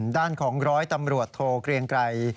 ด้านของร้อยตำรวจโทเกรียงไกร